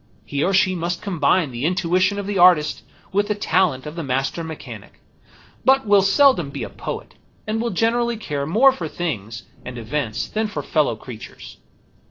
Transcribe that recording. He or she must combine the intuition of the artist with the talent of the master mechanic, but will seldom be a poet, and will generally care more for things and events than for fellow creatures.